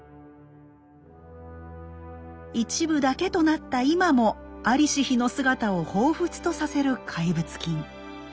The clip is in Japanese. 一部だけとなった今も在りし日の姿を彷彿とさせる怪物金。